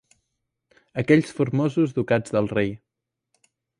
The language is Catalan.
Aquells formosos ducats del rei